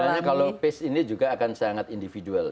misalnya kalau pace ini juga akan sangat individual